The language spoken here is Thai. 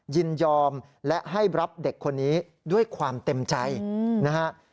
ยินยอมและให้รับเด็กคนนี้ด้วยความเต็มใจนะฮะ